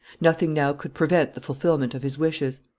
Nothing now could prevent the fulfilment of his wishes.